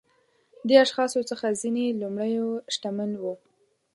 دې اشخاصو څخه ځینې لومړيو شتمن وو.